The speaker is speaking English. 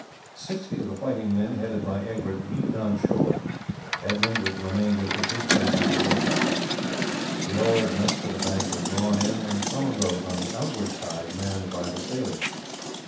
Sixty of the fighting men headed by Egbert leapt on shore. Edmund with the remainder took his place on the forecastle. The oars next to the bank were drawn in, and some of those on the outward side manned by the sailors.